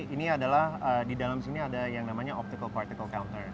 ini adalah di dalam sini ada yang namanya optical partical culture